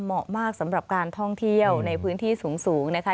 เหมาะมากสำหรับการท่องเที่ยวในพื้นที่สูงนะคะ